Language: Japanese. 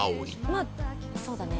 まあそうだね